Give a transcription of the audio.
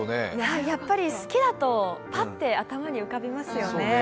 やっぱり好きだと、パッと頭に浮かびますよね。